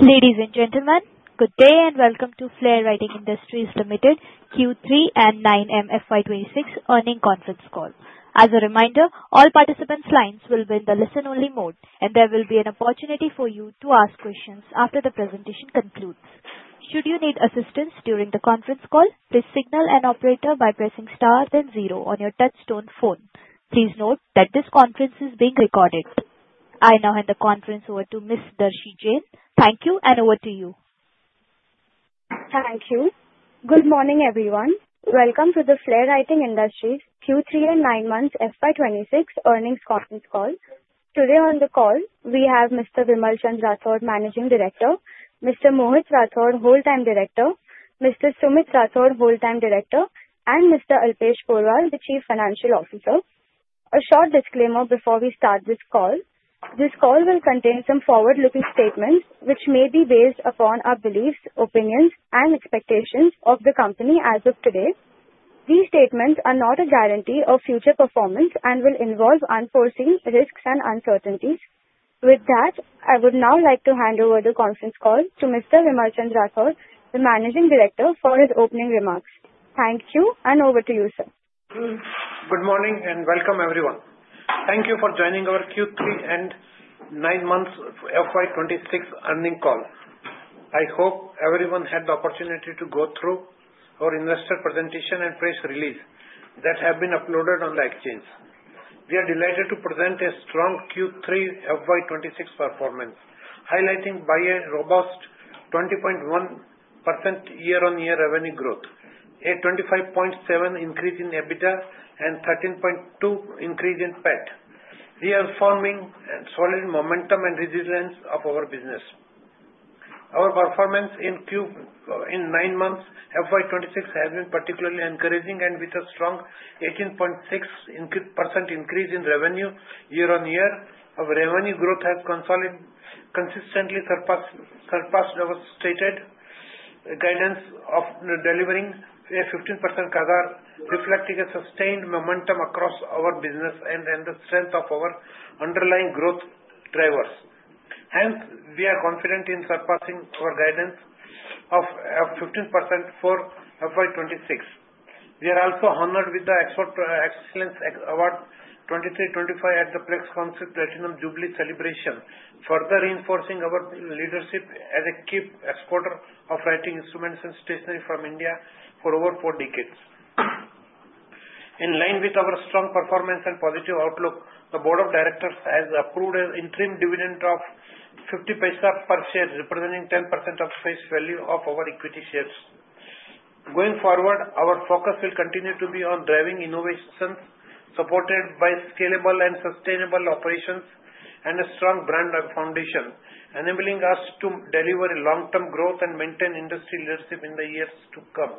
Ladies and gentlemen, good day and welcome to Flair Writing Industries Limited Q3 FY 2026 earnings conference call. As a reminder, all participants' lines will be in the listen-only mode, and there will be an opportunity for you to ask questions after the presentation concludes. Should you need assistance during the conference call, please signal an operator by pressing star then zero on your touch-tone phone. Please note that this conference is being recorded. I now hand the conference over to Miss Darshi Jain. Thank you, and over to you. Thank you. Good morning, everyone. Welcome to the Flair Writing Industries Q3 and 9M FY 2026 earnings conference call. Today on the call, we have Mr. Vimalchand Rathod, Managing Director, Mr. Mohit Rathod, Whole-Time Director, Mr. Sumit Rathod, Whole-Time Director, and Mr. Alpesh Porwal, the Chief Financial Officer. A short disclaimer before we start this call: this call will contain some forward-looking statements which may be based upon our beliefs, opinions, and expectations of the company as of today. These statements are not a guarantee of future performance and will involve unforeseen risks and uncertainties. With that, I would now like to hand over the conference call to Mr. Vimalchand Rathod, the Managing Director, for his opening remarks. Thank you, and over to you, sir. Good morning and welcome, everyone. Thank you for joining our Q3, 9M FY 2026 earnings call. I hope everyone had the opportunity to go through our investor presentation and press release that has been uploaded on the exchange. We are delighted to present a strong Q3 FY 2026 performance, highlighted by a robust 20.1% year-on-year revenue growth, a 25.7% increase in EBITDA, and a 13.2% increase in PAT. We are forming solid momentum and resilience of our business. Our performance in 9M FY 2026 has been particularly encouraging and with a strong 18.6% increase in revenue year-on-year. Our revenue growth has consistently surpassed our stated guidance of delivering a 15% CAGR, reflecting a sustained momentum across our business and the strength of our underlying growth drivers. Hence, we are confident in surpassing our guidance of 15% for FY 2026. We are also honored with the Excellence Award 2025 at the PLEXCONCIL Platinum Jubilee celebration, further reinforcing our leadership as a key exporter of writing instruments and stationery from India for over four decades. In line with our strong performance and positive outlook, the Board of Directors has approved an interim dividend of 0.50 per share, representing 10% of face value of our equity shares. Going forward, our focus will continue to be on driving innovations, supported by scalable and sustainable operations and a strong brand foundation, enabling us to deliver long-term growth and maintain industry leadership in the years to come.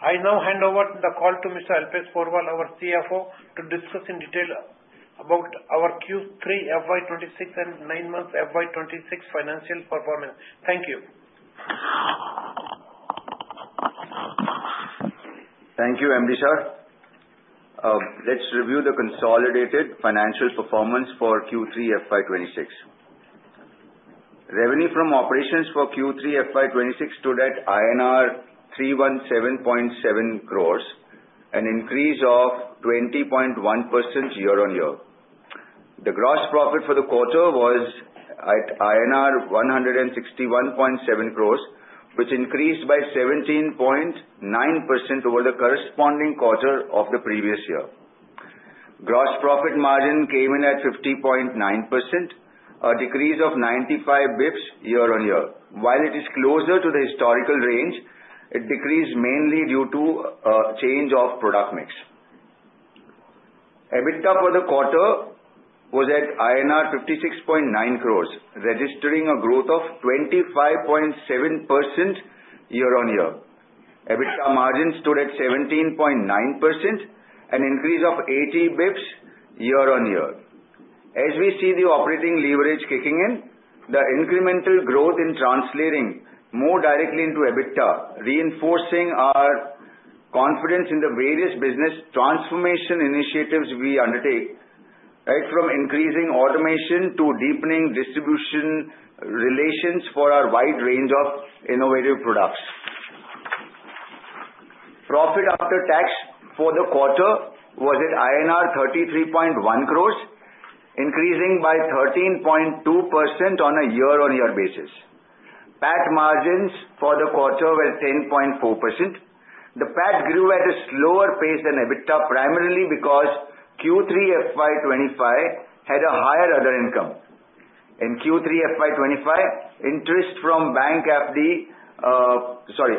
I now hand over the call to Mr. Alpesh Porwal, our CFO, to discuss in detail about our Q3 FY 2026 and 9M FY 2026 financial performance. Thank you. Thank you, Mr. Rathod. Let's review the consolidated financial performance for Q3 FY 2026. Revenue from operations for Q3 FY 2026 stood at INR 317.7 crores, an increase of 20.1% year-on-year. The gross profit for the quarter was at INR 161.7 crores, which increased by 17.9% over the corresponding quarter of the previous year. Gross profit margin came in at 50.9%, a decrease of 95 basis points year-on-year. While it is closer to the historical range, it decreased mainly due to a change of product mix. EBITDA for the quarter was at INR 56.9 crores, registering a growth of 25.7% year-on-year. EBITDA margin stood at 17.9%, an increase of 80 basis points year-on-year. As we see the operating leverage kicking in, the incremental growth in translating more directly into EBITDA reinforcing our confidence in the various business transformation initiatives we undertake, from increasing automation to deepening distribution relations for our wide range of innovative products. Profit after tax for the quarter was at INR 33.1 crores, increasing by 13.2% on a year-on-year basis. PAT margins for the quarter were 10.4%. The PAT grew at a slower pace than EBITDA, primarily because Q3 FY 2025 had a higher other income. In Q3 FY 2025, interest from bank FD, sorry,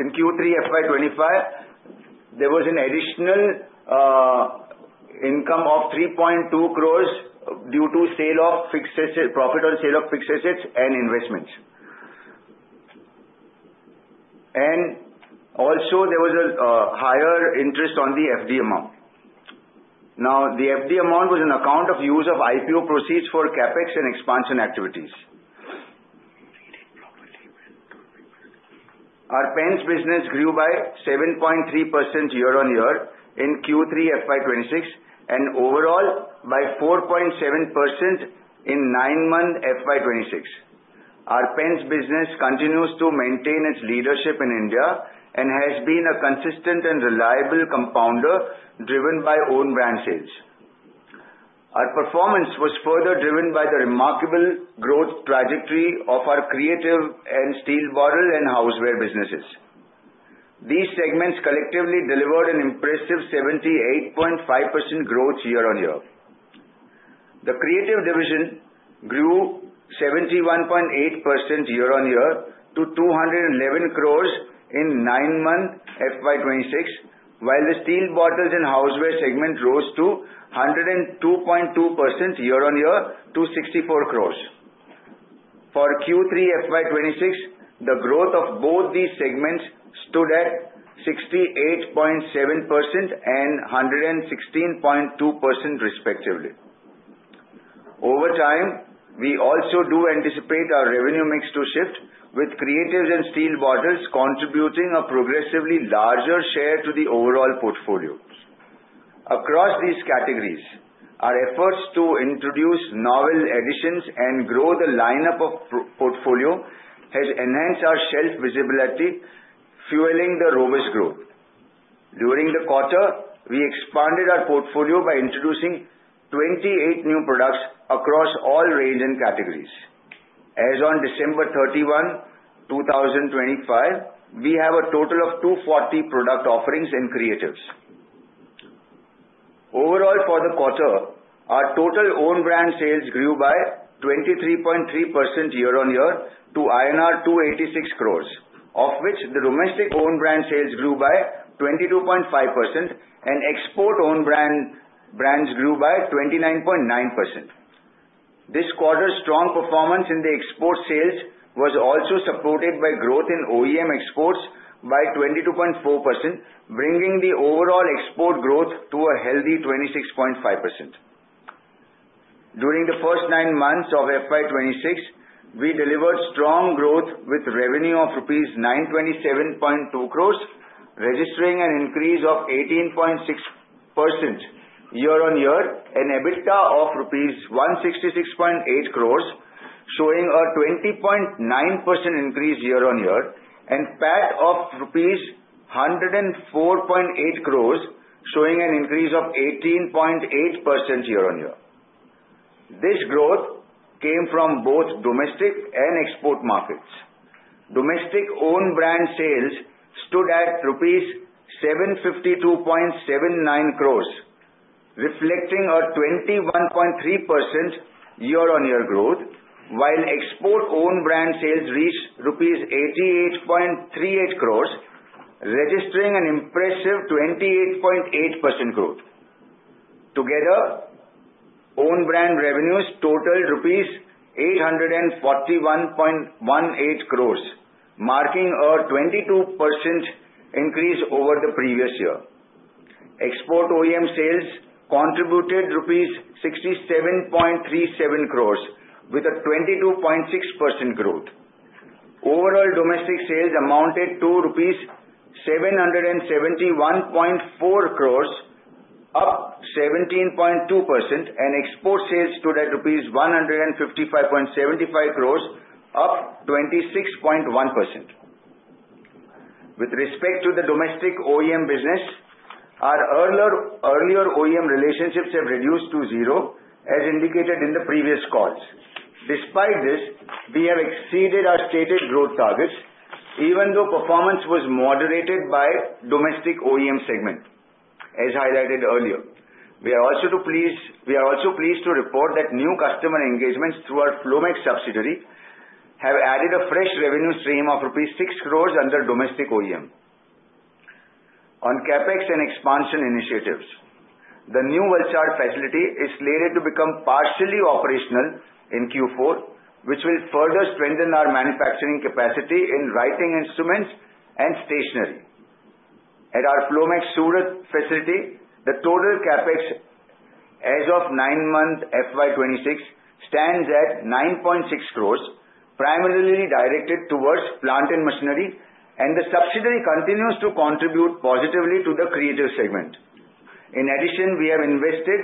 in Q3 FY 2025, there was an additional income of 3.2 crores due to profit on sale of fixed assets and investments. And also, there was a higher interest on the FD amount. Now, the FD amount was on account of use of IPO proceeds for CapEx and expansion activities. Our pens business grew by 7.3% year-on-year in Q3 FY 2026 and overall by 4.7% in 9M FY 2026. Our pens business continues to maintain its leadership in India and has been a consistent and reliable compounder driven by own brand sales. Our performance was further driven by the remarkable growth trajectory of our Creative and steel bottle and houseware businesses. These segments collectively delivered an impressive 78.5% growth year-on-year. The Creative division grew 71.8% year-on-year to INR 211 crore in 9M FY 2026, while the steel bottles and houseware segment rose to 102.2% year-on-year to INR 64 crore. For Q3 FY 2026, the growth of both these segments stood at 68.7% and 116.2%, respectively. Over time, we also do anticipate our revenue mix to shift, with Creatives and steel bottles contributing a progressively larger share to the overall portfolio. Across these categories, our efforts to introduce novel additions and grow the lineup of portfolio have enhanced our shelf visibility, fueling the robust growth. During the quarter, we expanded our portfolio by introducing 28 new products across all range and categories. As on December 31, 2025, we have a total of 240 product offerings and Creatives. Overall, for the quarter, our total own brand sales grew by 23.3% year-on-year to INR 286 crores, of which the domestic own brand sales grew by 22.5%, and export own brands grew by 29.9%. This quarter's strong performance in the export sales was also supported by growth in OEM exports by 22.4%, bringing the overall export growth to a healthy 26.5%. During the first nine months of FY 2026, we delivered strong growth with revenue of rupees 927.2 crores, registering an increase of 18.6% year-on-year, an EBITDA of rupees 166.8 crores, showing a 20.9% increase year-on-year, and PAT of rupees 104.8 crores, showing an increase of 18.8% year-on-year. This growth came from both domestic and export markets. Domestic own brand sales stood at 752.79 crores rupees, reflecting a 21.3% year-on-year growth, while export own brand sales reached 88.38 crores rupees, registering an impressive 28.8% growth. Together, own brand revenues totaled rupees 841.18 crores, marking a 22% increase over the previous year. Export OEM sales contributed rupees 67.37 crores, with a 22.6% growth. Overall, domestic sales amounted to 771.4 crores rupees, up 17.2%, and export sales stood at 155.75 crores rupees, up 26.1%. With respect to the domestic OEM business, our earlier OEM relationships have reduced to zero, as indicated in the previous calls. Despite this, we have exceeded our stated growth targets, even though performance was moderated by domestic OEM segment, as highlighted earlier. We are also pleased to report that new customer engagements through our Flomaxe Stationery have added a fresh revenue stream of rupees 6 crores under domestic OEM. On CapEx and expansion initiatives, the new Valsad facility is slated to become partially operational in Q4, which will further strengthen our manufacturing capacity in writing instruments and stationery. At our Flomaxe Surat facility, the total CapEx as of 9M FY 2026 stands at 9.6 crores, primarily directed towards plant and machinery, and the subsidiary continues to contribute positively to the Creative segment. In addition, we have invested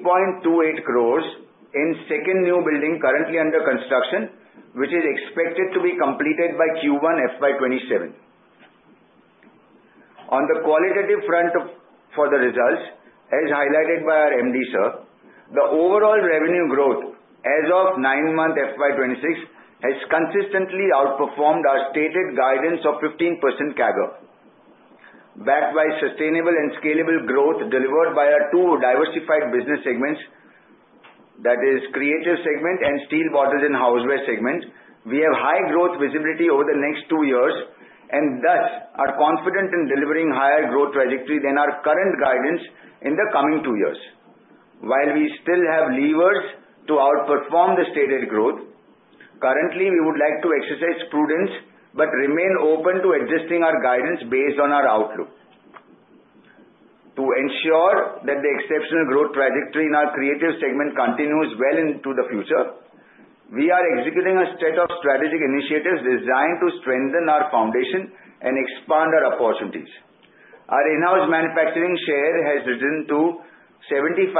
8.28 crores in the second new building currently under construction, which is expected to be completed by Q1 FY 2027. On the qualitative front for the results, as highlighted by our MD Sir, the overall revenue growth as of 9M FY 2026 has consistently outperformed our stated guidance of 15% CAGR, backed by sustainable and scalable growth delivered by our two diversified business segments, that is, the Creative segment and steel bottles and houseware segment. We have high growth visibility over the next two years, and thus are confident in delivering a higher growth trajectory than our current guidance in the coming two years. While we still have levers to outperform the stated growth, currently, we would like to exercise prudence but remain open to adjusting our guidance based on our outlook. To ensure that the exceptional growth trajectory in our Creative segment continues well into the future, we are executing a set of strategic initiatives designed to strengthen our foundation and expand our opportunities. Our in-house manufacturing share has risen to 75%,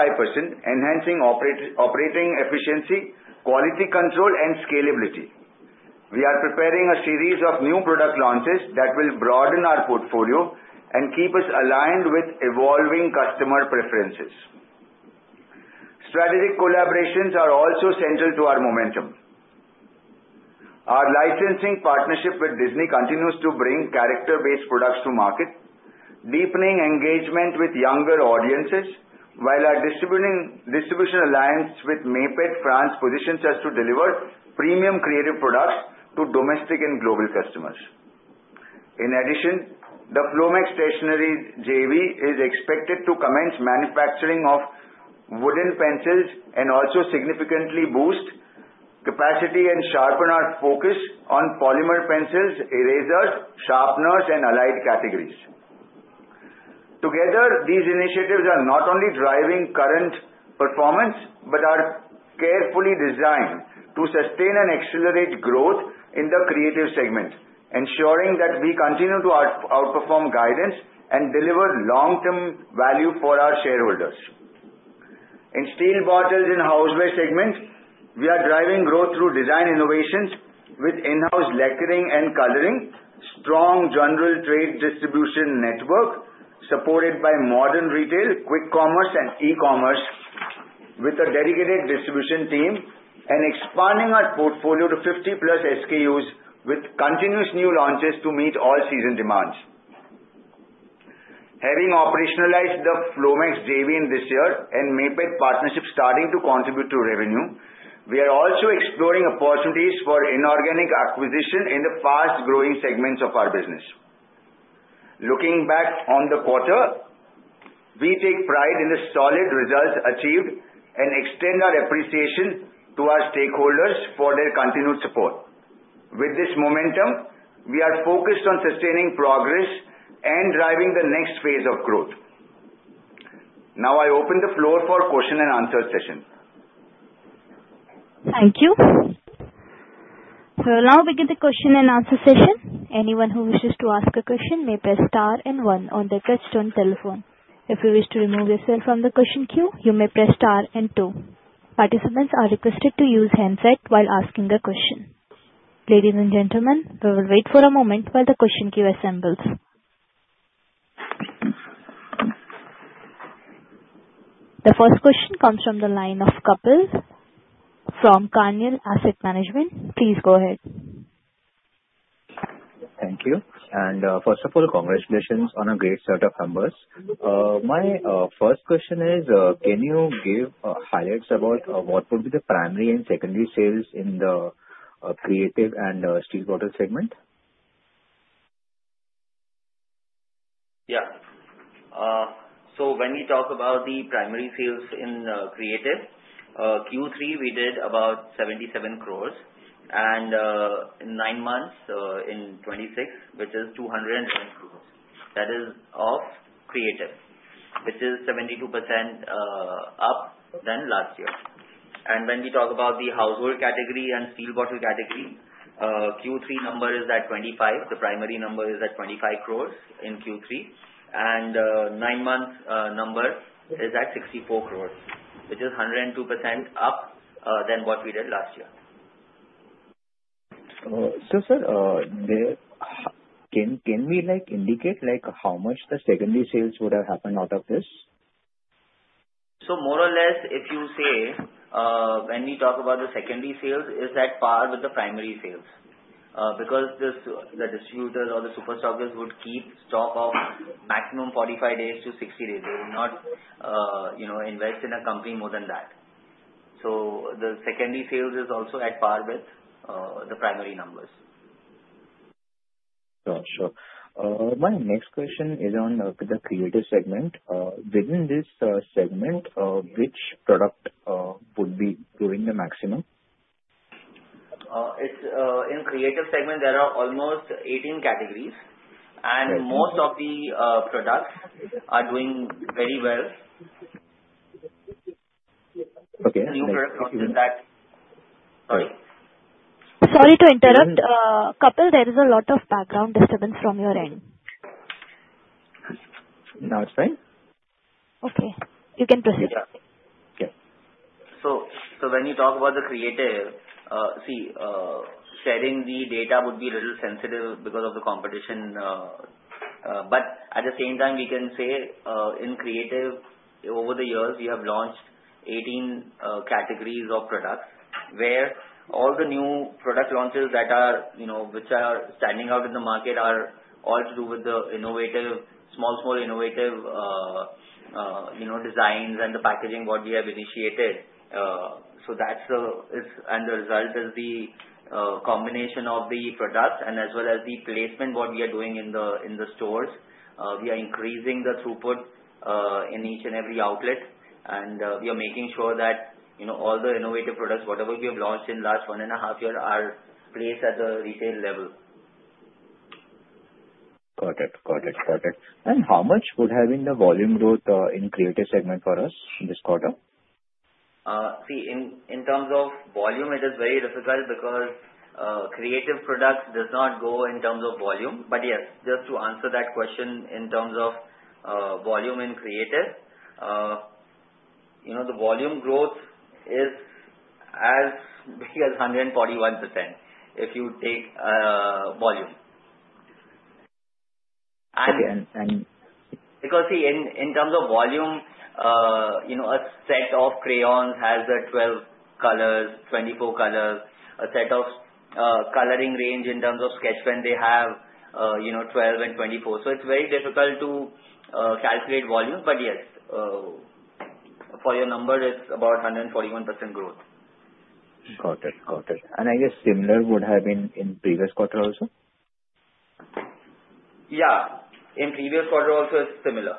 enhancing operating efficiency, quality control, and scalability. We are preparing a series of new product launches that will broaden our portfolio and keep us aligned with evolving customer preferences. Strategic collaborations are also central to our momentum. Our licensing partnership with Disney continues to bring character-based products to market, deepening engagement with younger audiences, while our distribution alliance with Maped France positions us to deliver premium Creative products to domestic and global customers. In addition, the Flomaxe Stationery JV is expected to commence manufacturing of wooden pencils and also significantly boost capacity and sharpen our focus on polymer pencils, erasers, sharpeners, and allied categories. Together, these initiatives are not only driving current performance but are carefully designed to sustain and accelerate growth in the Creative segment, ensuring that we continue to outperform guidance and deliver long-term value for our shareholders. In steel bottles and houseware segment, we are driving growth through design innovations with in-house lacquering and coloring, a strong General Trade distribution network supported by Modern Trade, Quick Commerce, and e-commerce with a dedicated distribution team, and expanding our portfolio to 50 plus SKUs with continuous new launches to meet all season demands. Having operationalized the Flomaxe JV in this year and Maped partnership starting to contribute to revenue, we are also exploring opportunities for inorganic acquisition in the fast-growing segments of our business. Looking back on the quarter, we take pride in the solid results achieved and extend our appreciation to our stakeholders for their continued support. With this momentum, we are focused on sustaining progress and driving the next phase of growth. Now, I open the floor for a question-and-answer session. Thank you. So now we get the question-and-answer session. Anyone who wishes to ask a question may press star and one on the touch-tone telephone. If you wish to remove yourself from the question queue, you may press star and two. Participants are requested to use handset while asking a question. Ladies and gentlemen, we will wait for a moment while the question queue assembles. The first question comes from the line of Kapil from Carnelian Asset Management. Please go ahead. Thank you. And first of all, congratulations on a great set of numbers. My first question is, can you give highlights about what would be the primary and secondary sales in the Creative and steel bottle segment? Yeah. So when we talk about the primary sales in Creative, Q3 we did about 77 crores and in nine months in 2026, which is 210 crores. That is off Creative, which is 72% up than last year. And when we talk about the household category and steel bottle category, Q3 number is at 25 crores. The primary number is at 25 crores in Q3, and nine months number is at 64 crores, which is 102% up than what we did last year. So sir, can we indicate how much the secondary sales would have happened out of this? So more or less, if you say when we talk about the secondary sales, it's at par with the primary sales because the distributors or the superstockers would keep stock of maximum 45-60 days. They would not invest in a company more than that. So the secondary sales is also at par with the primary numbers. Sure. My next question is on the Creative segment. Within this segment, which product would be doing the maximum? In Creative segment, there are almost 18 categories, and most of the products are doing very well. Okay. Sorry. Sorry to interrupt. There is a lot of background disturbance from your end. Now it's fine? Okay. You can proceed. Okay. So when you talk about the Creative, see, sharing the data would be a little sensitive because of the competition. But at the same time, we can say in Creative, over the years, we have launched 18 categories of products where all the new product launches that are standing out in the market are all to do with the innovative, small, small innovative designs and the packaging what we have initiated. So that's the and the result is the combination of the products and as well as the placement what we are doing in the stores. We are increasing the throughput in each and every outlet, and we are making sure that all the innovative products, whatever we have launched in the last 1.5 years, are placed at the retail level. Got it. Got it. Got it. And how much would have been the volume growth in Creative segment for us this quarter? See, in terms of volume, it is very difficult because Creative products does not go in terms of volume. But yes, just to answer that question in terms of volume in Creative, the volume growth is as big as 141% if you take volume. And because see, in terms of volume, a set of crayons has 12 colors, 24 colors, a set of coloring range in terms of sketch pen they have 12 and 24. So it's very difficult to calculate volume. But yes, for your number, it's about 141% growth. Got it. Got it. And I guess similar would have been in previous quarter also? Yeah. In previous quarter also it's similar.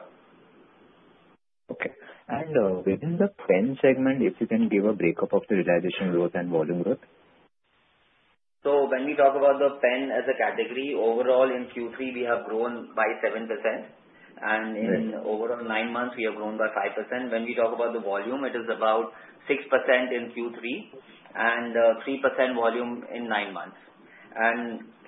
Okay. And within the pen segment, if you can give a breakup of the realization growth and volume growth? So when we talk about the pen as a category, overall in Q3 we have grown by 7%. In overall nine months, we have grown by 5%. When we talk about the volume, it is about 6% in Q3 and 3% volume in nine months.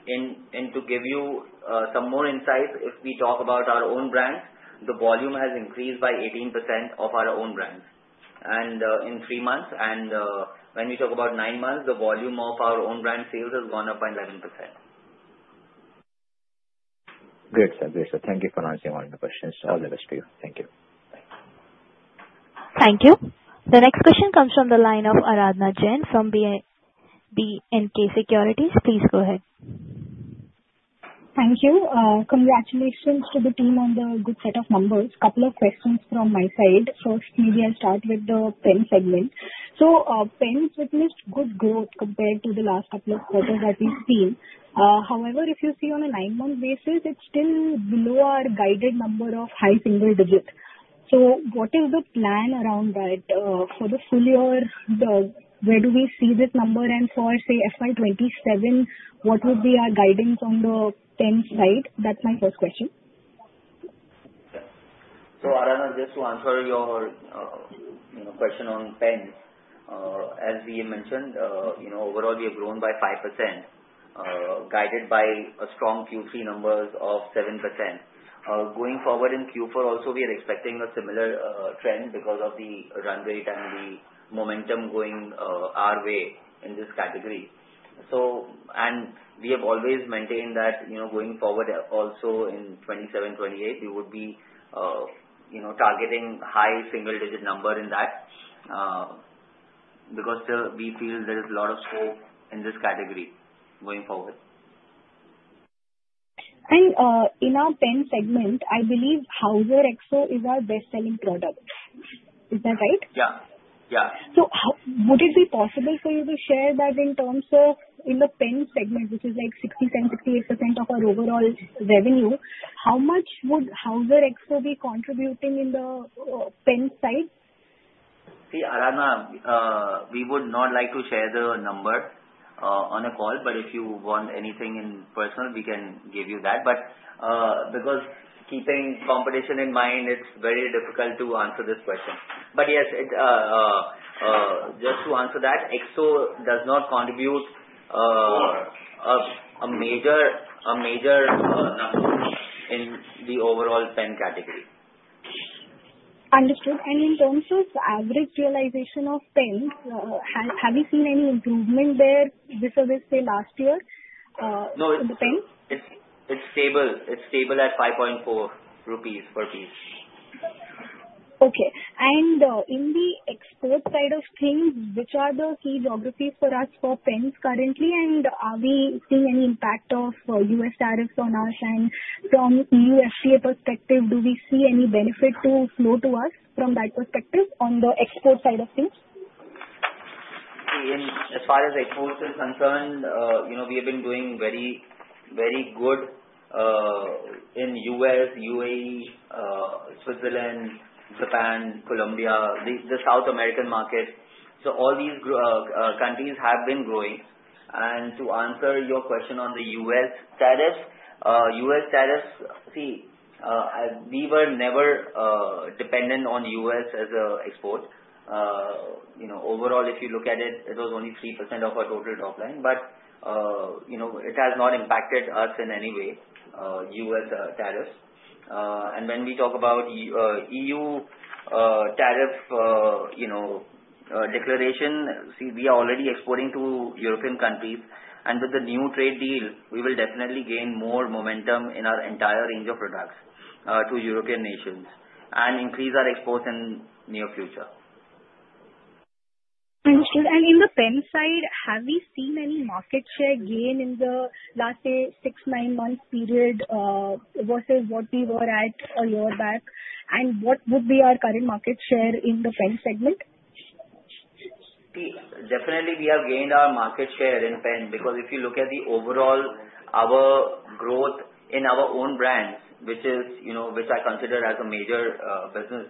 To give you some more insight, if we talk about our own brand, the volume has increased by 18% of our own brand in three months. When we talk about nine months, the volume of our own brand sales has gone up by 11%. Good. Good. Thank you for answering all the questions. All the best to you. Thank you. Thank you. The next question comes from the line of Aradhana Jain from B&K Securities. Please go ahead. Thank you. Congratulations to the team on the good set of numbers. Couple of questions from my side. First, maybe I'll start with the pen segment. So pen witnessed good growth compared to the last couple of quarters that we've seen. However, if you see on a 9-month basis, it's still below our guided number of high single digits. So what is the plan around that for the full year? Where do we see this number? And for, say, FY 2027, what would be our guidance on the pen side? That's my first question. So Aradhana, just to answer your question on pen, as we mentioned, overall we have grown by 5%, guided by a strong Q3 numbers of 7%. Going forward in Q4 also, we are expecting a similar trend because of the run rate and the momentum going our way in this category. We have always maintained that going forward also in 2027, 2028, we would be targeting high single-digit number in that because we feel there is a lot of scope in this category going forward. In our pen segment, I believe Hauser XO is our best-selling product. Is that right? Yeah. Yeah. So would it be possible for you to share that in terms of in the pen segment, which is like 60%, 68% of our overall revenue, how much would Hauser XO be contributing in the pen side? See, Aradhana, we would not like to share the number on a call, but if you want anything in person, we can give you that. But because keeping competition in mind, it's very difficult to answer this question. But yes, just to answer that, XO does not contribute a major number in the overall pen category. Understood. In terms of average realization of pen, have you seen any improvement there vis-à-vis say last year for the pen? It's stable. It's stable at 5.4 rupees per piece. Okay. And in the export side of things, which are the key geographies for us for pens currently? And are we seeing any impact of US tariffs on us? And from EU FTA perspective, do we see any benefit to flow to us from that perspective on the export side of things? As far as exports are concerned, we have been doing very good in US, UAE, Switzerland, Japan, Colombia, the South American market. So all these countries have been growing. And to answer your question on the US tariffs, US tariffs, see, we were never dependent on US as an export. Overall, if you look at it, it was only 3% of our total top line. But it has not impacted us in any way, U.S. tariffs. And when we talk about EU tariff declaration, see, we are already exporting to European countries. And with the new trade deal, we will definitely gain more momentum in our entire range of products to European nations and increase our exports in the near future. Understood. And in the pen side, have we seen any market share gain in the last, say, 6-9 months period versus what we were at a year back? And what would be our current market share in the pen segment? Definitely, we have gained our market share in pen because if you look at the overall our growth in our own brands, which I consider as a major business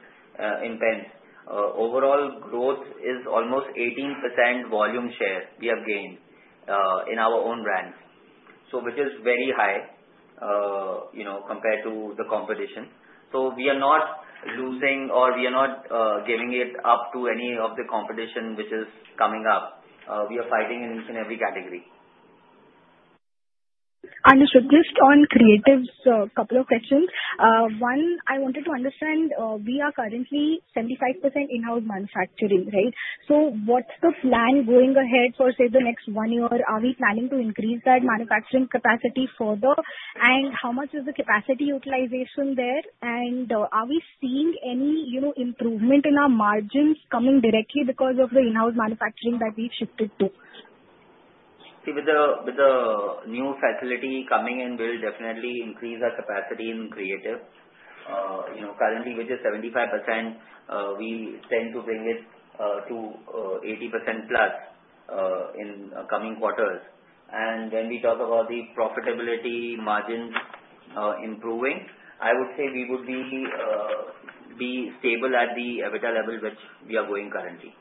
in pen, overall growth is almost 18% volume share we have gained in our own brands, which is very high compared to the competition. So we are not losing or we are not giving it up to any of the competition, which is coming up. We are fighting in each and every category. Understood. Just on Creatives, a couple of questions. One, I wanted to understand, we are currently 75% in-house manufacturing, right? So what's the plan going ahead for, say, the next one year? Are we planning to increase that manufacturing capacity further? And how much is the capacity utilization there? And are we seeing any improvement in our margins coming directly because of the in-house manufacturing that we've shifted to? With the new facility coming in, we'll definitely increase our capacity in Creative. Currently, which is 75%, we tend to bring it to 80%+ in coming quarters. When we talk about the profitability margins improving, I would say we would be stable at the EBITDA level which we are going currently.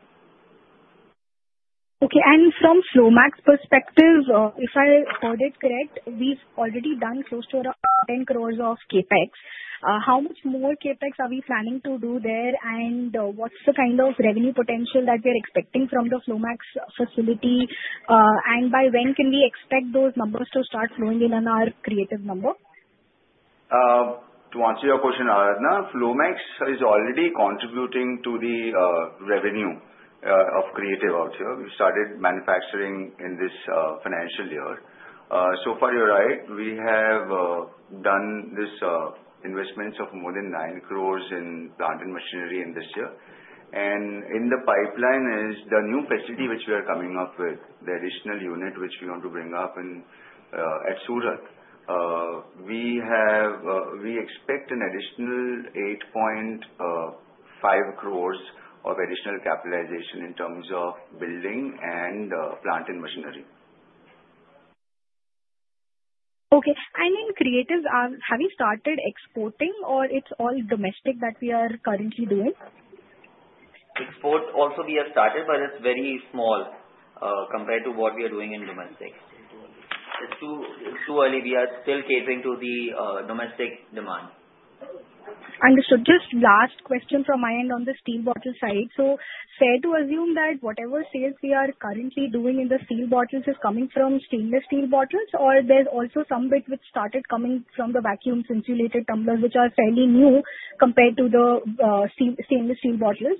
Okay. And from Flomax perspective, if I heard it correct, we've already done close to 10 crore of CapEx. How much more CapEx are we planning to do there? And what's the kind of revenue potential that we are expecting from the Flomax facility? And by when can we expect those numbers to start flowing in on our Creative number? To answer your question, Aradhana, Flomax is already contributing to the revenue of Creative out here. We started manufacturing in this financial year. So far, you're right. We have done this investment of more than 9 crore in plant and machinery in this year. In the pipeline is the new facility which we are coming up with, the additional unit which we want to bring up in at Surat. We expect an additional 8.5 crore of additional capitalization in terms of building and plant and machinery. Okay. In Creatives, have you started exporting, or it's all domestic that we are currently doing? Export also we have started, but it's very small compared to what we are doing in domestic. It's too early. We are still catering to the domestic demand. Understood. Just last question from my end on the steel bottle side. So fair to assume that whatever sales we are currently doing in the steel bottles is coming from stainless steel bottles, or there's also some bit which started coming from the vacuum insulated tumblers, which are fairly new compared to the stainless steel bottles?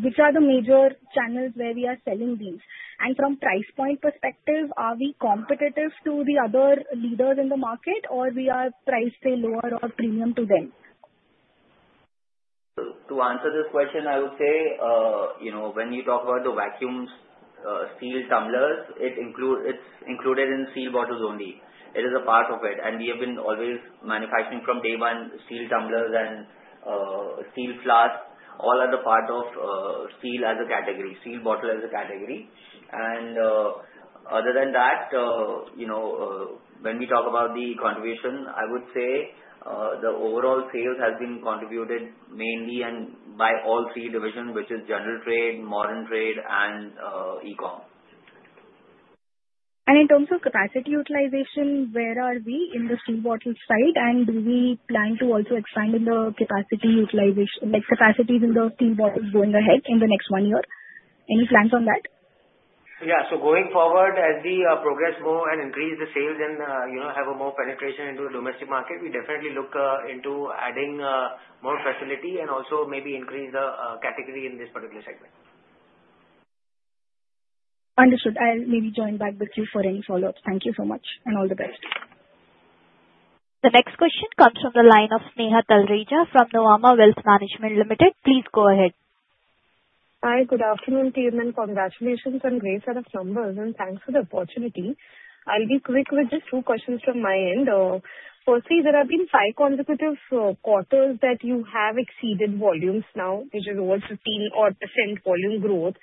Which are the major channels where we are selling these? From price point perspective, are we competitive to the other leaders in the market, or we are priced lower or premium to them? To answer this question, I would say when you talk about the vacuum steel tumblers, it's included in steel bottles only. It is a part of it. We have been always manufacturing from day one steel tumblers and steel flasks, all other part of steel as a category, steel bottle as a category. Other than that, when we talk about the contribution, I would say the overall sales has been contributed mainly by all three divisions, which is General Trade, Modern Trade, and e-com. In terms of capacity utilization, where are we in the steel bottle side? And do we plan to also expand in the capacity utilization, capacities in the steel bottles going ahead in the next one year? Any plans on that? Yeah. So going forward, as we progress more and increase the sales and have a more penetration into the domestic market, we definitely look into adding more facility and also maybe increase the category in this particular segment. Understood. I'll maybe join back with you for any follow-ups. Thank you so much and all the best. The next question comes from the line of Sneha Talreja from Nuvama Wealth Management Limited. Please go ahead. Hi, good afternoon to you, and congratulations on great set of numbers and thanks for the opportunity. I'll be quick with just two questions from my end. Firstly, there have been five consecutive quarters that you have exceeded volumes now, which is over 15% volume growth.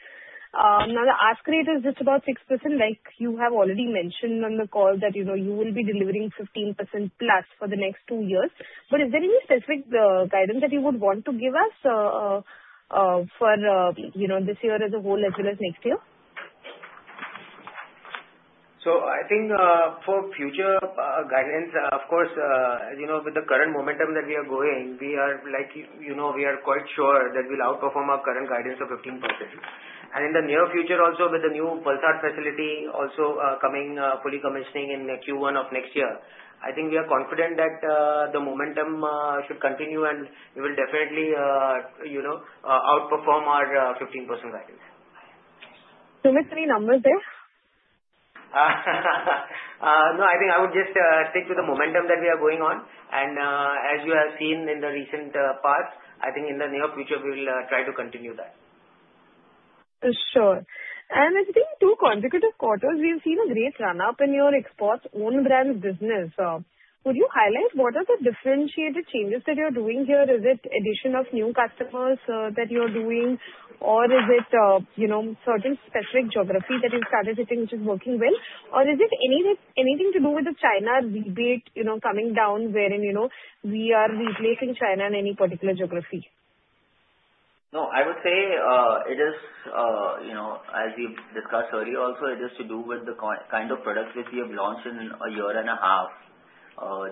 Now, the ask rate is just about 6%. You have already mentioned on the call that you will be delivering 15%+ for the next two years. But is there any specific guidance that you would want to give us for this year as a whole as well as next year? So I think for future guidance, of course, with the current momentum that we are going, we are quite sure that we'll outperform our current guidance of 15%. And in the near future, also with the new Valsad facility also coming fully commissioning in Q1 of next year, I think we are confident that the momentum should continue and we will definitely outperform our 15% guidance. So with three numbers there? No, I think I would just stick to the momentum that we are going on. As you have seen in the recent parts, I think in the near future, we will try to continue that. Sure. And it's been two consecutive quarters. We've seen a great run-up in your exports own brand business. Would you highlight what are the differentiated changes that you're doing here? Is it addition of new customers that you're doing, or is it certain specific geography that you've started hitting which is working well? Or is it anything to do with the China rebate coming down wherein we are replacing China in any particular geography? No, I would say it is, as we discussed earlier also, it is to do with the kind of products which we have launched in a year and a half.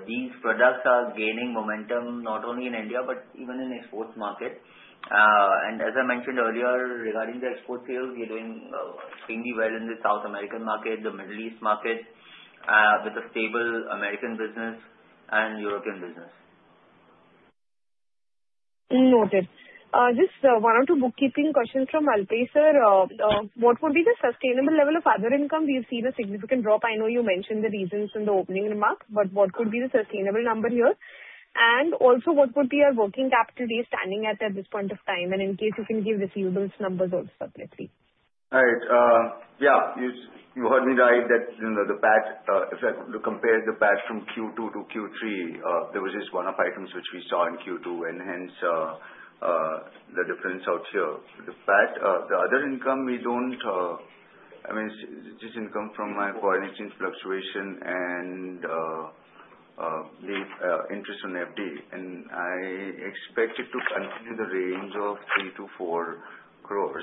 These products are gaining momentum not only in India but even in the exports market. As I mentioned earlier, regarding the export sales, we are doing extremely well in the South American market, the Middle East market, with a stable American business and European business. Noted. Just one or two bookkeeping questions from Alpesh, sir. What would be the sustainable level of other income? We've seen a significant drop. I know you mentioned the reasons in the opening remarks, but what could be the sustainable number here? And also, what would be your working cap today standing at this point of time? And in case you can give receivables numbers also separately. All right. Yeah. You heard me right that the PAT if I compare the PAT from Q2 to Q3, there was just one-off items which we saw in Q2 and hence the difference out here. The other income we don't—I mean, it's just income from my foreign exchange fluctuation and the interest on FD. I expect it to continue in the range of 3 crore-4 crore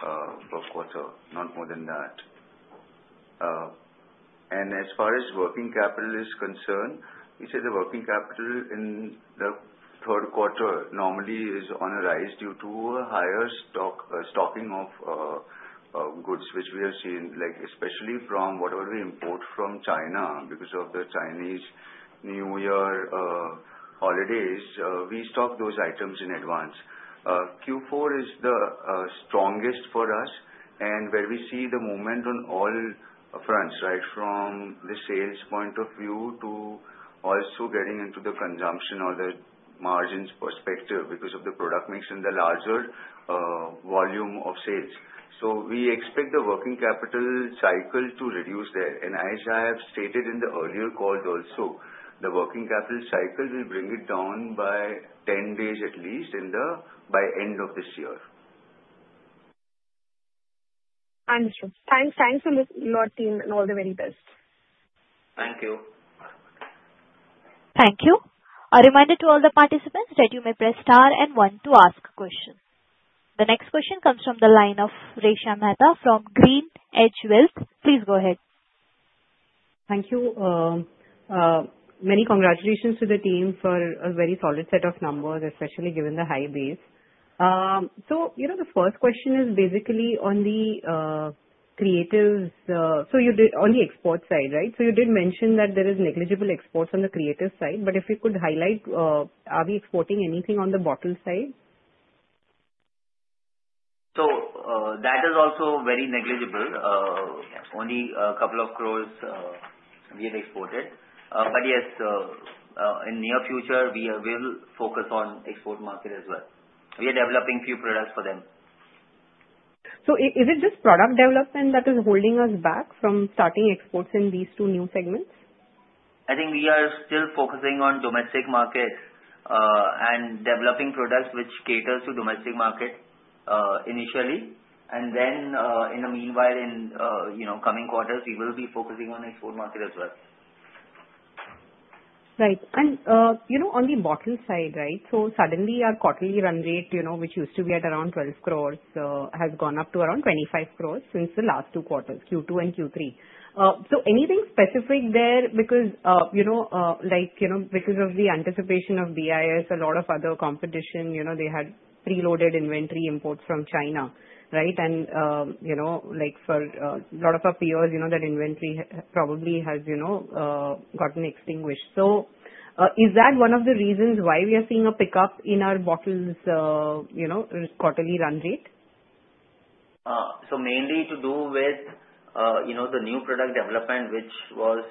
per quarter, not more than that. As far as working capital is concerned, we say the working capital in the third quarter normally is on a rise due to a higher stocking of goods which we have seen, especially from whatever we import from China because of the Chinese New Year holidays. We stock those items in advance. Q4 is the strongest for us, and where we see the momentum on all fronts, right, from the sales point of view to also getting into the consumption or the margins perspective because of the product mix and the larger volume of sales. We expect the working capital cycle to reduce there. And as I have stated in the earlier calls also, the working capital cycle will bring it down by 10 days at least by end of this year. Understood. Thanks. Thanks a lot, team, and all the very best. Thank you. Thank you. A reminder to all the participants that you may press star and one to ask questions. The next question comes from the line of Resha Mehta from GreenEdge Wealth. Please go ahead. Thank you. Many congratulations to the team for a very solid set of numbers, especially given the high base. So the first question is basically on the Creatives. So on the export side, right? So you did mention that there is negligible exports on the Creative side, but if you could highlight, are we exporting anything on the bottle side? So that is also very negligible. Only 2 crores we have exported. But yes, in near future, we will focus on export market as well. We are developing a few products for them. So is it just product development that is holding us back from starting exports in these two new segments? I think we are still focusing on domestic markets and developing products which caters to domestic market initially. And then in the meanwhile, in coming quarters, we will be focusing on export market as well. Right. And on the bottle side, right, so suddenly our quarterly run rate, which used to be at around 12 crore, has gone up to around 25 crore since the last two quarters, Q2 and Q3. So anything specific there? Because of the anticipation of BIS, a lot of other competition, they had preloaded inventory imports from China, right? And for a lot of our peers, that inventory probably has gotten extinguished. So is that one of the reasons why we are seeing a pickup in our bottles quarterly run rate? Mainly to do with the new product development, which was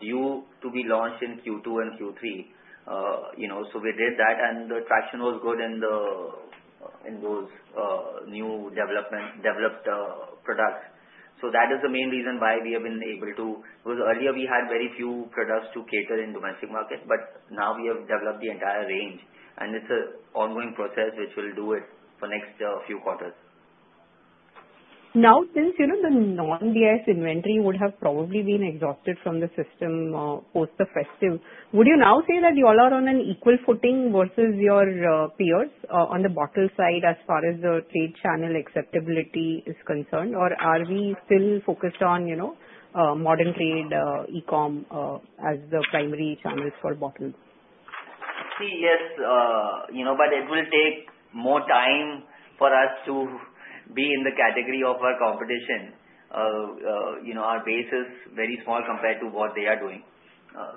due to be launched in Q2 and Q3. We did that, and the traction was good in those new developed products. That is the main reason why we have been able to because earlier we had very few products to cater in domestic market, but now we have developed the entire range. It's an ongoing process which will do it for next few quarters. Now, since the non-BIS inventory would have probably been exhausted from the system post the festive, would you now say that you all are on an equal footing versus your peers on the bottle side as far as the trade channel acceptability is concerned, or are we still focused on modern trade, e-com as the primary channels for bottles? See, yes, but it will take more time for us to be in the category of our competition. Our base is very small compared to what they are doing.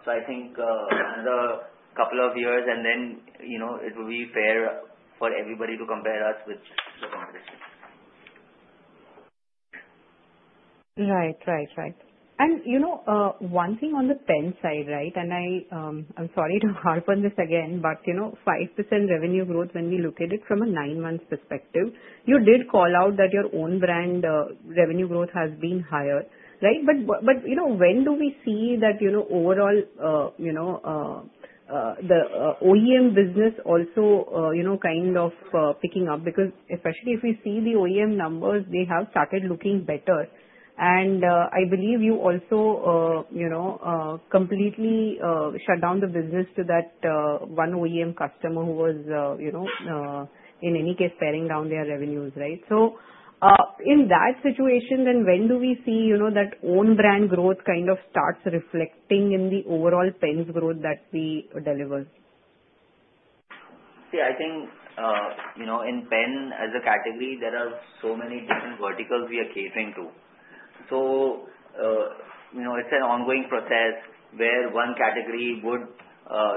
So I think another couple of years, and then it will be fair for everybody to compare us with the competition. Right, right, right. And one thing on the pen side, right? I'm sorry to harp on this again, but 5% revenue growth when we look at it from a nine-month perspective, you did call out that your own brand revenue growth has been higher, right? But when do we see that overall the OEM business also kind of picking up? Because especially if we see the OEM numbers, they have started looking better. And I believe you also completely shut down the business to that one OEM customer who was, in any case, paring down their revenues, right? So in that situation, then when do we see that own brand growth kind of starts reflecting in the overall pen's growth that we deliver? Yeah. I think in pen as a category, there are so many different verticals we are catering to. So it's an ongoing process where one category would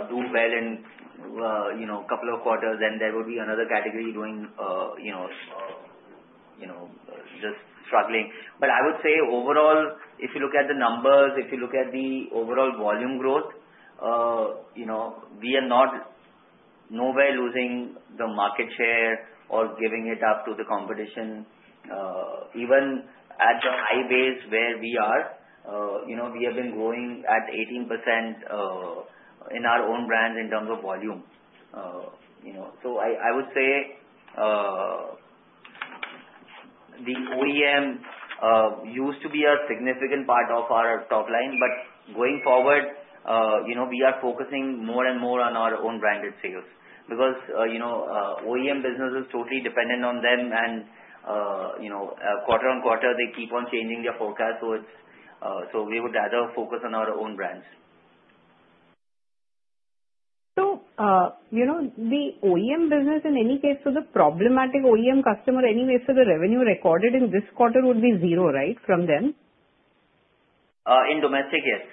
do well in a couple of quarters, and there would be another category doing just struggling. But I would say overall, if you look at the numbers, if you look at the overall volume growth, we are nowhere losing the market share or giving it up to the competition. Even at the high base where we are, we have been growing at 18% in our own brands in terms of volume. So I would say the OEM used to be a significant part of our top line, but going forward, we are focusing more and more on our own branded sales because OEM business is totally dependent on them, and quarter-on-quarter, they keep on changing their forecast. So we would rather focus on our own brands. So the OEM business, in any case, so the problematic OEM customer, anyway, for the revenue recorded in this quarter would be 0, right, from them? In domestic, yes.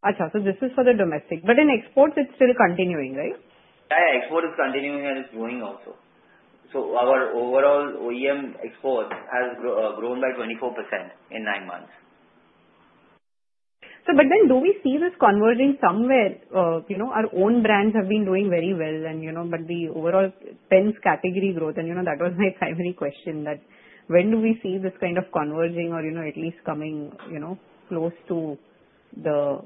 Yeah, so this is for the domestic. But in exports, it's still continuing, right? Yeah, yeah. Export is continuing and it's growing also. So our overall OEM export has grown by 24% in 9 months. But then do we see this converging somewhere? Our own brands have been doing very well, but the overall pen's category growth, and that was my primary question, that when do we see this kind of converging or at least coming close to the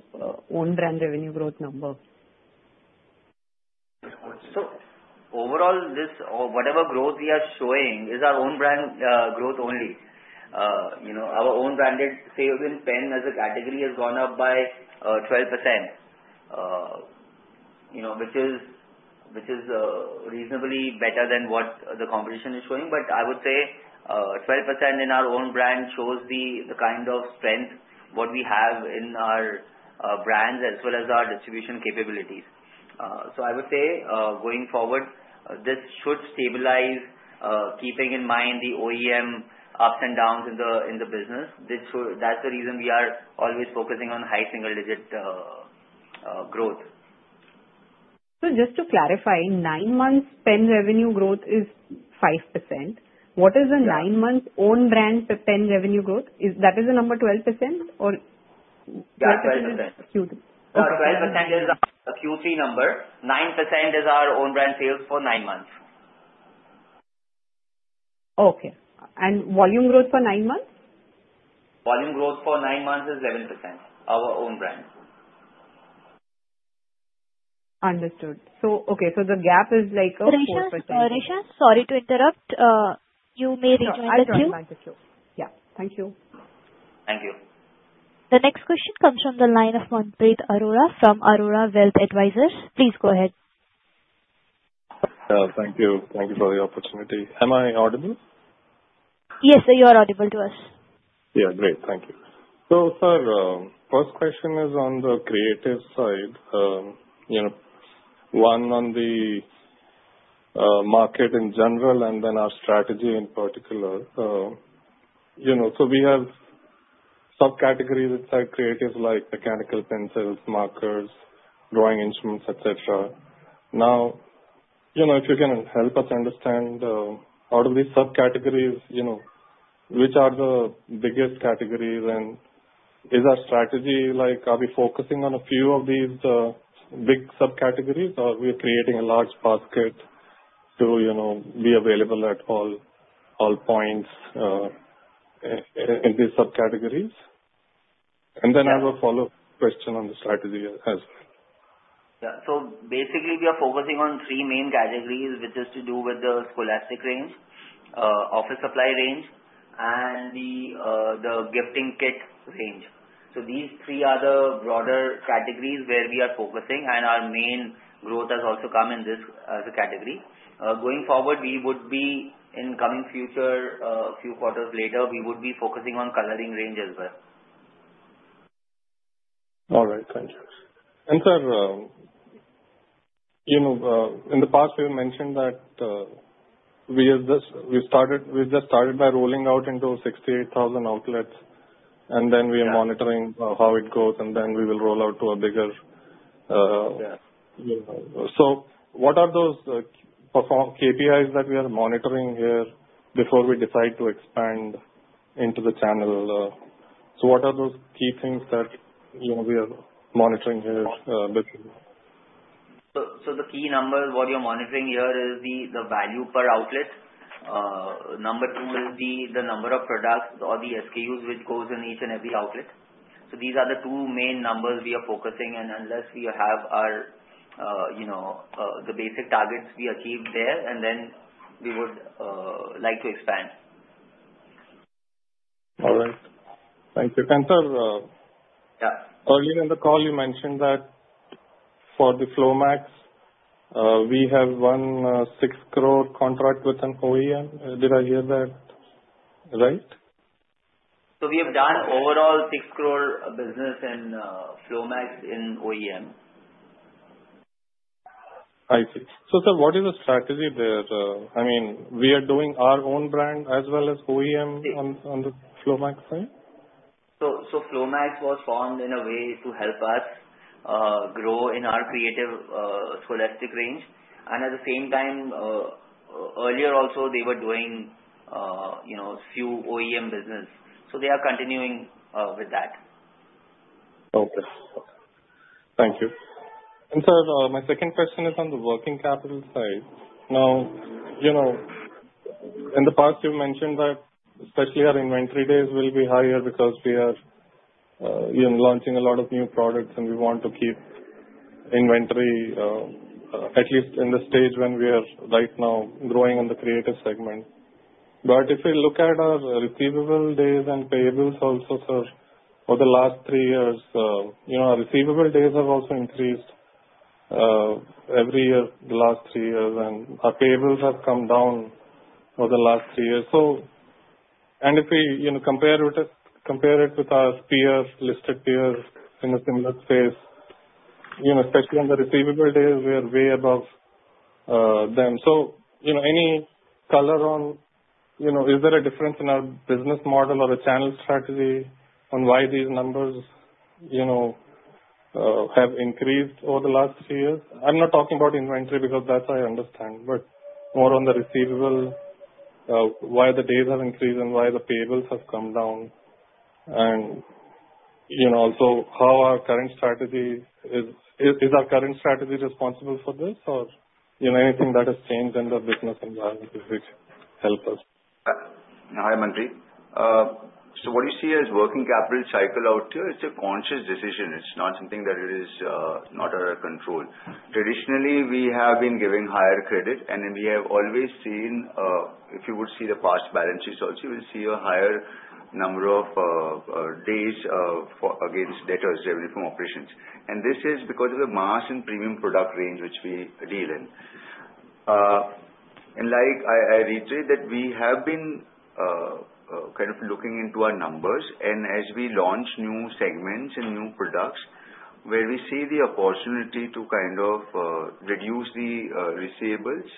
own brand revenue growth number? So overall, whatever growth we are showing is our own brand growth only. Our own branded sales in pen as a category has gone up by 12%, which is reasonably better than what the competition is showing. But I would say 12% in our own brand shows the kind of strength what we have in our brands as well as our distribution capabilities. So I would say going forward, this should stabilize, keeping in mind the OEM ups and downs in the business. That's the reason we are always focusing on high single-digit growth. So just to clarify, nine-month pen revenue growth is 5%. What is the nine-month own brand pen revenue growth? That is the number 12% or 12% is Q3? 12% is a Q3 number. 9% is our own brand sales for nine months. Okay. And volume growth for nine months? Volume growth for nine months is 11%, our own brand. Understood. So okay, so the gap is like 4%. Resha, sorry to interrupt. You may rejoin the queue. I'm back. I'm back. Yeah. Thank you. Thank you. The next question comes from the line of [Manpreet Arora] from Aurora Wealth Advisors. Please go ahead. Thank you. Thank you for the opportunity. Am I audible? Yes, you are audible to us. Yeah. Great. Thank you. So sir, first question is on the Creative side, one on the market in general and then our strategy in particular. So we have subcategories inside Creative like mechanical pencils, markers, drawing instruments, etc. Now, if you can help us understand out of these subcategories, which are the biggest categories? And is our strategy like are we focusing on a few of these big subcategories or we are creating a large basket to be available at all points in these subcategories? And then I will follow up question on the strategy as well. Yeah. So basically, we are focusing on three main categories, which is to do with the scholastic range, office supply range, and the gifting kit range. So these three are the broader categories where we are focusing, and our main growth has also come in this as a category. Going forward, we would be in coming future, a few quarters later, we would be focusing on coloring range as well. All right. Thank you. And sir, in the past, we have mentioned that we just started by rolling out into 68,000 outlets, and then we are monitoring how it goes, and then we will roll out to a bigger so what are those KPIs that we are monitoring here before we decide to expand into the channel? So what are those key things that we are monitoring here? So the key number, what you're monitoring here is the value per outlet. Number 2 is the number of products or the SKUs which goes in each and every outlet. So these are the 2 main numbers we are focusing on unless we have the basic targets we achieve there, and then we would like to expand. All right. Thank you. And sir, earlier in the call, you mentioned that for the Flomaxe, we have one six-crore contract with an OEM. Did I hear that right? So we have done overall six-crore business in Flomaxe in OEM. I see. So sir, what is the strategy there? I mean, we are doing our own brand as well as OEM on the Flomaxe side? So Flomaxe was formed in a way to help us grow in our Creative scholastic range. And at the same time, earlier also, they were doing few OEM business. So they are continuing with that. Okay. Thank you. Sir, my second question is on the working capital side. Now, in the past, you've mentioned that especially our inventory days will be higher because we are launching a lot of new products, and we want to keep inventory, at least in the stage when we are right now growing in the Creative segment. If we look at our receivable days and payables also, sir, over the last three years, our receivable days have also increased every year the last three years, and our payables have come down over the last three years. If we compare it with our listed peers in a similar space, especially on the receivable days, we are way above them. Any color on is there a difference in our business model or the channel strategy on why these numbers have increased over the last three years? I'm not talking about inventory because that's how I understand, but more on the receivable, why the days have increased and why the payables have come down, and also how our current strategy is is our current strategy responsible for this or anything that has changed in the business environment which help us? Hi, Manpreet. So what you see as working capital cycle out here, it's a conscious decision. It's not something that is not under our control. Traditionally, we have been giving higher credit, and we have always seen if you would see the past balance sheets also, you will see a higher number of days against debtors derived from operations. This is because of the mass and premium product range which we deal in. And like I reiterate that we have been kind of looking into our numbers, and as we launch new segments and new products where we see the opportunity to kind of reduce the receivables,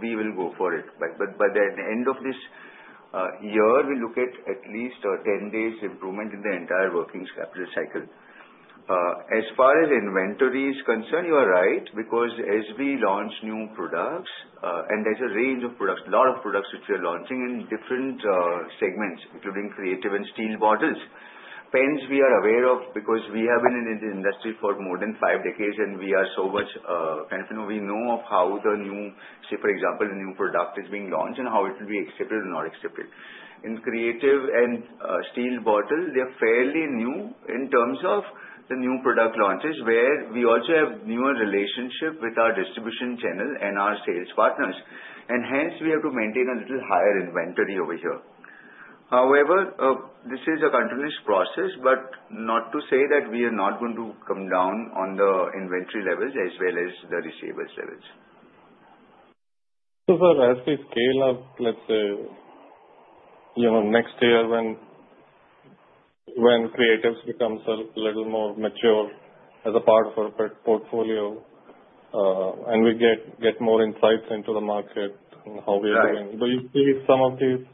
we will go for it. But by the end of this year, we look at at least a 10-day improvement in the entire working capital cycle. As far as inventory is concerned, you are right because as we launch new products, and there's a range of products, a lot of products which we are launching in different segments, including Creative and steel bottles, pens we are aware of because we have been in the industry for more than five decades, and we are so much kind of we know of how the new, say, for example, a new product is being launched and how it will be accepted or not accepted. In Creative and steel bottle, they are fairly new in terms of the new product launches where we also have a newer relationship with our distribution channel and our sales partners. And hence, we have to maintain a little higher inventory over here. However, this is a continuous process, but not to say that we are not going to come down on the inventory levels as well as the receivables levels. So sir, as we scale up, let's say next year when Creatives become a little more mature as a part of our portfolio and we get more insights into the market and how we are doing, will you see some of these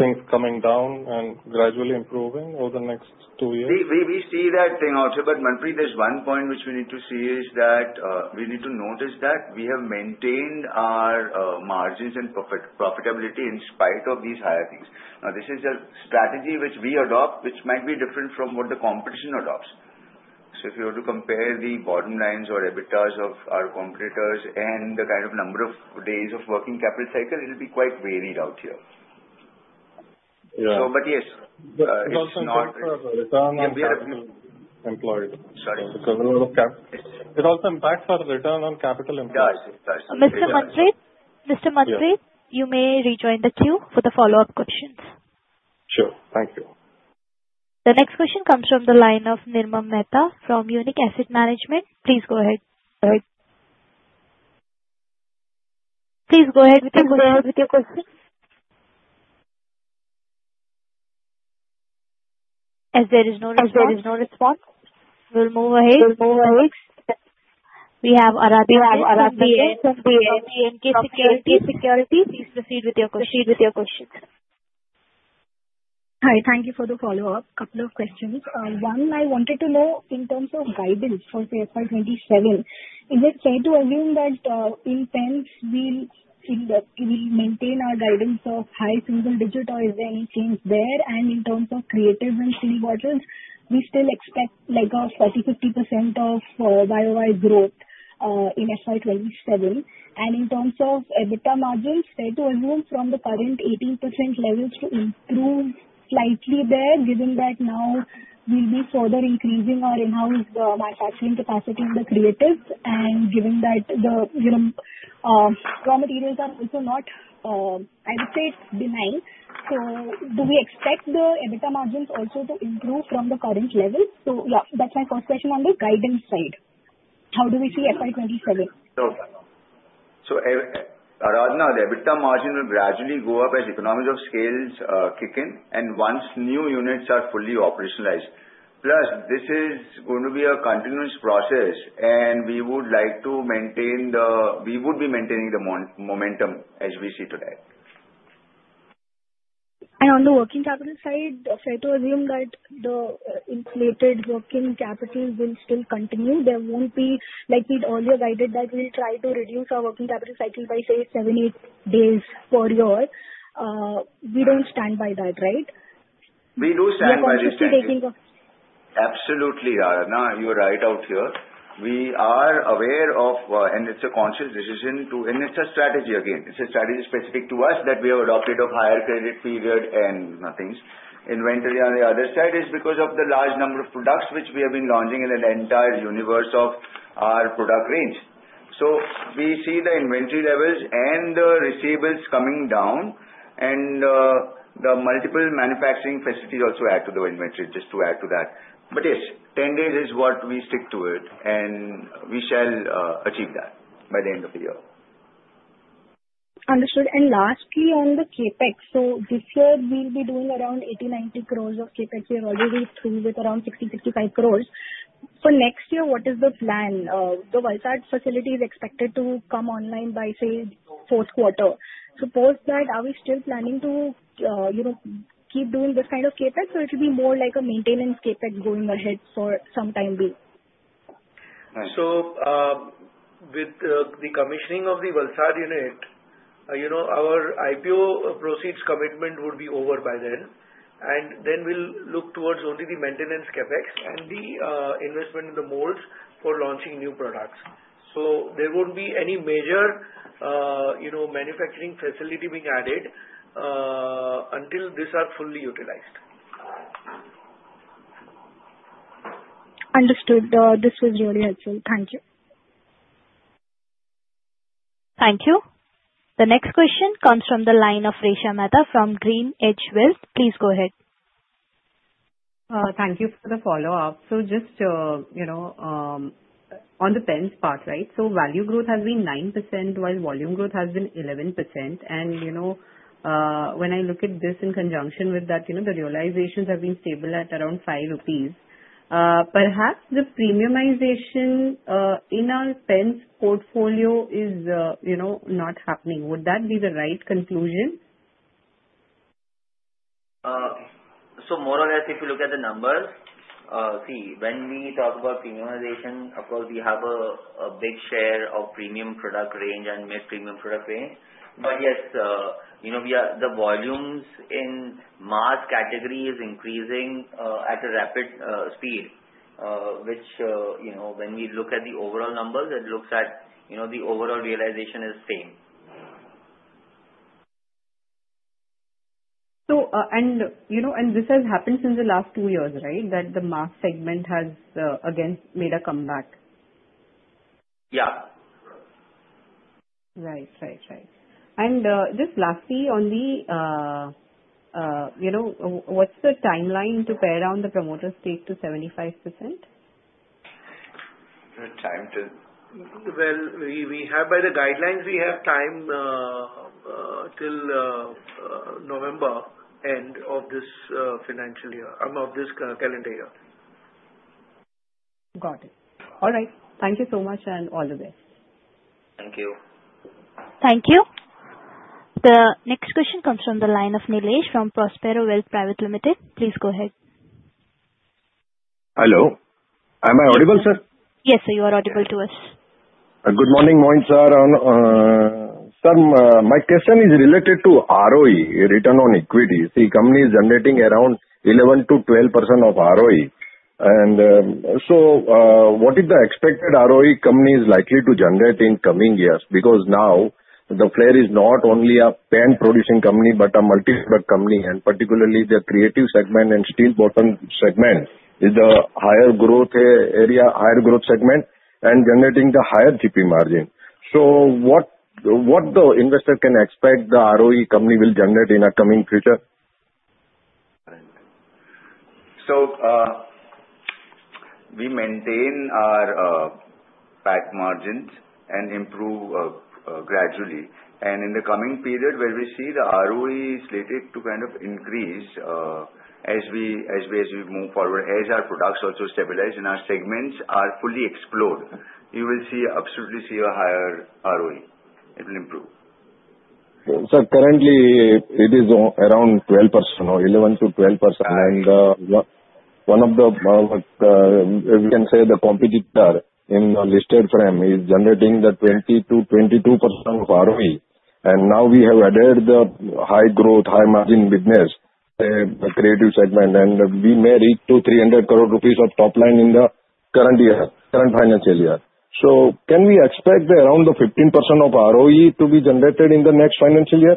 things coming down and gradually improving over the next two years? We see that thing also, but Manpreet, there's one point which we need to see is that we need to notice that we have maintained our margins and profitability in spite of these higher things. Now, this is a strategy which we adopt, which might be different from what the competition adopts. So if you were to compare the bottom lines or EBITDAs of our competitors and the kind of number of days of working capital cycle, it will be quite varied out here. But yes, it's not. It's also impact for return on capital impact. Yeah. Mr. Manpreet, you may rejoin the queue for the follow-up questions. Sure. Thank you. The next question comes from the line of Nirmam Mehta from Unique Asset Management. Please go ahead. Please go ahead with your question. As there is no response, we'll move ahead. We have Aradhana. We have Aradhana. B&K Securities, please proceed with your questions. Hi. Thank you for the follow-up. Couple of questions. One, I wanted to know in terms of guidance for the FY 2027. Is it fair to assume that in pen we will maintain our guidance of high single digit or is there any change there? And in terms of Creative and steel bottles, we still expect like a 40%-50% ROI growth in FY 2027. And in terms of EBITDA margins, fair to assume from the current 18% levels to improve slightly there given that now we'll be further increasing our in-house manufacturing capacity in the Creatives and given that the raw materials are also not, I would say, benign. So do we expect the EBITDA margins also to improve from the current levels? So yeah, that's my first question on the guidance side. How do we see FY 2027? So Aradhana, the EBITDA margin will gradually go up as economies of scale kick in and once new units are fully operationalized. Plus, this is going to be a continuous process, and we would like to maintain the we would be maintaining the momentum as we see today. And on the working capital side, fair to assume that the inflated working capital will still continue. There won't be like we'd earlier guided that we'll try to reduce our working capital cycle by, say, 7, 8 days per year. We don't stand by that, right? We do stand by this strategy. Absolutely, Aradhana, you're right out here. We are aware of, and it's a conscious decision to, and it's a strategy again. It's a strategy specific to us that we have adopted of higher credit period and things. Inventory on the other side is because of the large number of products which we have been launching in an entire universe of our product range. So we see the inventory levels and the receivables coming down, and the multiple manufacturing facilities also add to the inventory, just to add to that. But yes, 10 days is what we stick to it, and we shall achieve that by the end of the year. Understood. And lastly, on the CapEx, so this year we'll be doing around 80 crore-90 crore of CapEx. We are already through with around 60 crore-65 crore. For next year, what is the plan? The Valsad facility is expected to come online by, say, fourth quarter. Suppose that are we still planning to keep doing this kind of CapEx, or it will be more like a maintenance CapEx going ahead for some time be? So with the commissioning of the Valsad unit, our IPO proceeds commitment would be over by then, and then we'll look towards only the maintenance CapEx and the investment in the molds for launching new products. So there won't be any major manufacturing facility being added until these are fully utilized. Understood. This was really helpful. Thank you. Thank you. The next question comes from the line of Resha Mehta from GreenEdge Wealth. Please go ahead. Thank you for the follow-up. So just on the pen's part, right, so value growth has been 9% while volume growth has been 11%. And when I look at this in conjunction with that, the realizations have been stable at around 5 rupees. Perhaps the premiumization in our pen's portfolio is not happening. Would that be the right conclusion? So more or less, if you look at the numbers, see, when we talk about premiumization, of course, we have a big share of premium product range and mid-premium product range. But yes, the volumes in mass category is increasing at a rapid speed, which when we look at the overall numbers, it looks at the overall realization is same. And this has happened since the last two years, right, that the mass segment has again made a comeback? Yeah. Right. Right. Right. And just lastly, on the, what's the timeline to pare down the promoter stake to 75%? Well, we have, by the guidelines, we have time till November end of this financial year or this calendar year. Got it. All right. Thank you so much and all the best. Thank you. Thank you. The next question comes from the line of Nilesh from Prospero Wealth Private Limited. Please go ahead. Hello. Am I audible, sir? Yes, sir. You are audible to us. Good morning, Moderator. Sir, my question is related to ROE, return on equity. See, the company is generating around 11%-12% of ROE. So what is the expected ROE company is likely to generate in coming years? Because now the Flair is not only a pen producing company, but a multi-product company, and particularly the Creative segment and steel bottle segment is the higher growth area, higher growth segment, and generating the higher GP margin. So what the investor can expect the ROE company will generate in a coming future? So we maintain our PAT margins and improve gradually. In the coming period, where we see the ROE is slated to kind of increase as we move forward, as our products also stabilize and our segments are fully explored, you will absolutely see a higher ROE. It will improve. Currently, it is around 12% or 11%-12%. One of the, we can say, the competitor in the listed frame is generating the 20%-22% of ROE. Now we have added the high growth, high margin business, the Creative segment, and we may reach to 300 crore rupees of top line in the current year, current financial year. Can we expect around the 15% of ROE to be generated in the next financial year?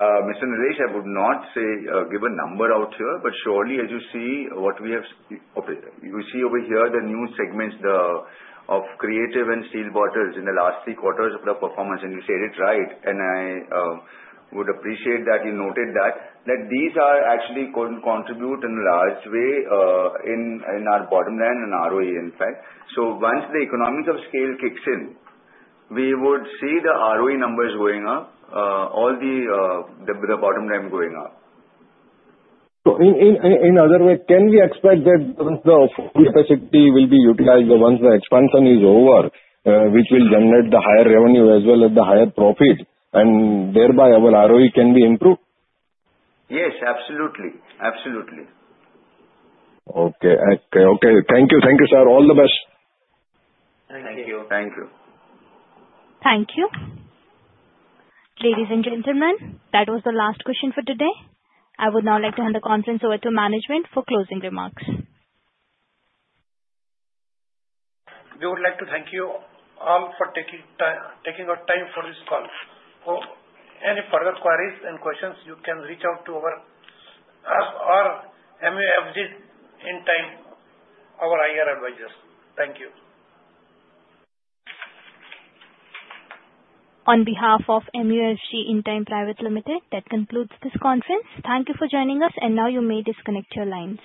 Mr. Nilesh, I would not say give a number out here, but surely, as you see what we have you see over here, the new segments of Creative and steel bottles in the last three quarters of the performance, and you said it right, and I would appreciate that you noted that, that these are actually going to contribute in a large way in our bottom line and ROE, in fact. So once the economies of scale kicks in, we would see the ROE numbers going up, all the bottom line going up. So in other words, can we expect that the capacity will be utilized once the expansion is over, which will generate the higher revenue as well as the higher profit, and thereby our ROE can be improved? Yes, absolutely. Absolutely. Okay. Okay. Okay. Thank you. Thank you, sir. All the best. Thank you. Thank you. Thank you. Ladies and gentlemen, that was the last question for today. I would now like to hand the conference over to management for closing remarks. We would like to thank you all for taking our time for this call. For any further queries and questions, you can reach out to our MUFG Intime, our IR advisors. Thank you. On behalf of MUFG Intime Private Limited, that concludes this conference. Thank you for joining us, and now you may disconnect your lines.